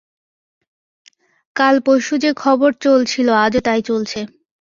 কাল-পরশু যে-খবর চলছিল আজও তাই চলছে।